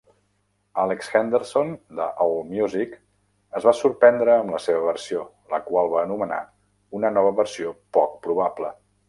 Alex Henderson, de AllMusic, es va sorprendre amb la seva versió, la qual va anomenar "una nova versió poc probable".